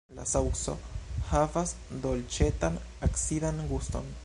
La saŭco havas dolĉetan-acidan guston.